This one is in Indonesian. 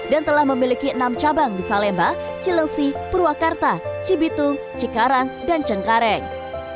dan telah memiliki enam cabang di salemba cilengsi purwakarta cibitu cikarang dan cengkareng